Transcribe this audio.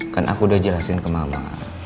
kan aku udah jelasin ke mama